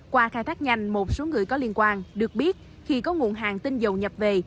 qua khai thác nhanh một số người có liên quan được biết khi có nguồn hàng tinh dầu nhập về